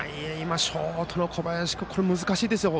ショートの小林君これは難しいですよ。